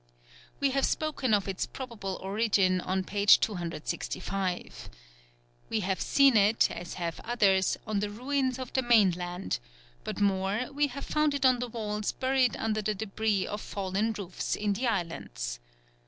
We have spoken of its probable origin on p. 265. We have seen it, as have others, on the ruins of the mainland; but more, we have found it on the walls buried under the débris of fallen roofs in the islands.